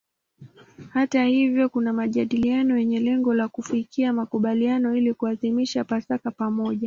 Hata hivyo kuna majadiliano yenye lengo la kufikia makubaliano ili kuadhimisha Pasaka pamoja.